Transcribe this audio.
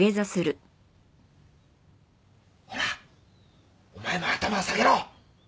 ほらお前も頭を下げろ！